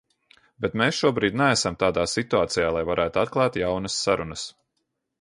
Bet mēs šobrīd neesam tādā situācijā, lai varētu atklāt jaunas sarunas.